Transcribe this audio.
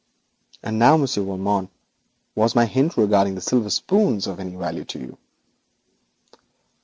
And now, monsieur, was my hint regarding the silver spoons of any value to you?'